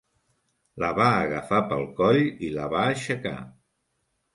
La va agafar pel coll i la va aixecar.